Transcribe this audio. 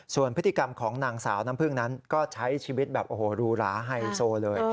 ส่วนพฤติกรรมของนางสาวน้ำพึ่งนั้นก็ใช้ชีวิตแบบโอ้โหรูหราไฮโซเลย